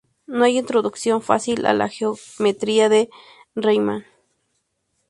No hay introducción fácil a la geometría de Riemann.